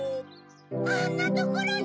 あんなところに！